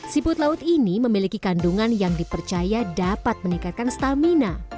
siput laut ini memiliki kandungan yang dipercaya dapat meningkatkan stamina